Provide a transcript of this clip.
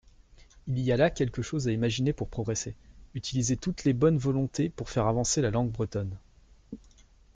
Il y a là quelque chose à imaginer pour progresser : utiliser toutes les bonnes volontés pour faire avancer la langue bretonne.